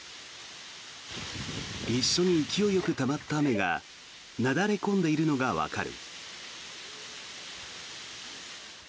一緒に勢いよくたまった雨がなだれ込んでいるのがわかる。